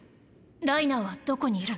ライナーはどこにいるの？